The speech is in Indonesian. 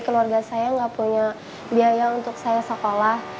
keluarga saya nggak punya biaya untuk saya sekolah